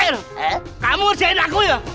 jail kamu ngerjain aku ya